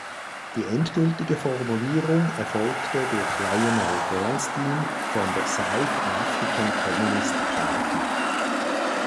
Die endgültige Formulierung erfolgte durch Lionel Bernstein von der South African Communist Party.